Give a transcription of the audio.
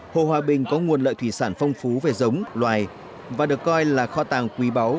hồ hòa bình có nguồn lợi thủy sản phong phú về giống loài và được coi là kho tàng quý báu